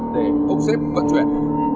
để công xếp vận chuyển